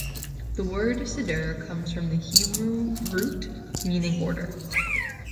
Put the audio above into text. The word "siddur" comes from the Hebrew root meaning "order".